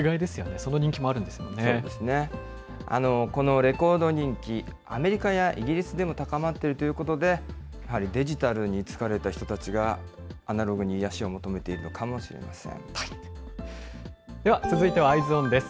このレコード人気、アメリカやイギリスでも高まっているということで、やはりデジタルに疲れた人たちが、アナログに癒やしを求めでは続いてはＥｙｅｓｏｎです。